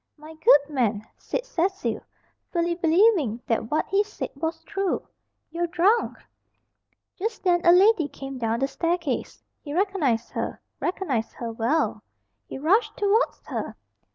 "My good man," said Cecil, fully believing that what he said was true, "you're drunk." Just then a lady came down the staircase. He recognised her recognised her well. He rushed towards her.